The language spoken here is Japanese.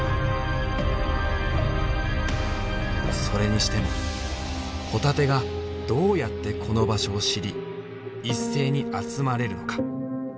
それにしてもホタテがどうやってこの場所を知り一斉に集まれるのか？